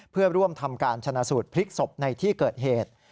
เพื่อร่วมทำการชนะสูตรพลิกศพในที่เกิดเหตุ